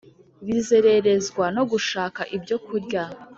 bizererezwa no gushaka ibyokurya’